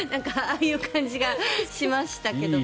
ああいう感じがしましたけど。